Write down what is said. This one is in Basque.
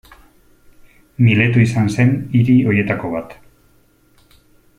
Mileto izan zen hiri horietako bat.